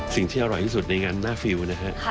สิ่งที่อร่อยที่สุดในงานหน้าฟิลนะฮะ